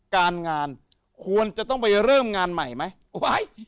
การงานควรจะต้องไปเริ่มงานใหม่ไหม